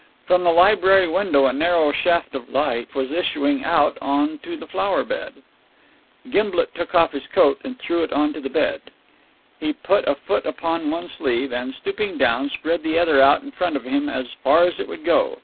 From the library window a narrow shaft of light was issuing out on to the flower bed. Gimblet took off his coat and threw it on to the bed. He put a foot upon one sleeve, and, stooping down, spread the other out in front of him as far as it would go.